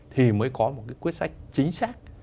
thì mới có một cái quyết sách chính xác